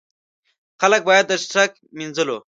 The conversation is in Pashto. خلک باید د څښاک، مینځلو.